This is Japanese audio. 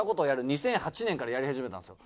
２００８年からやり始めたんですよ。